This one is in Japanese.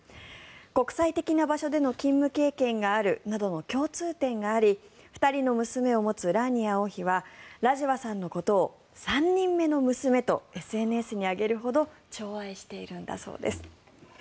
国際的な場所での勤務経験があるなどの共通点があり２人の娘を持つラーニア王妃はラジワさんのことを３人目の娘とＳＮＳに上げるほどちょう愛しているんだそうです。